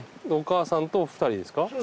お母さんと２人ですか？